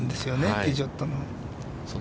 ティーショットの。